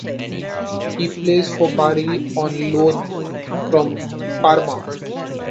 He plays for Bari on loan from Parma.